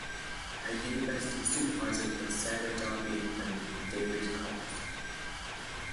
Her university supervisors were Sarah Darby and David Cox.